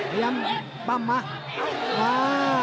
เรียมปำมา